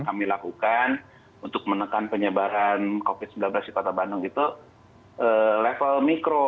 kami lakukan untuk menekan penyebaran covid sembilan belas di kota bandung itu level mikro